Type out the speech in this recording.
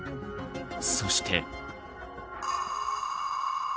そして。